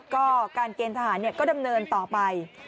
ก็การเกณฑ์ทหารก็ดำเนินต่อไป